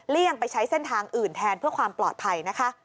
เลี่ยงไปใช้เส้นทางอื่นแทนเพื่อความปลอดภัย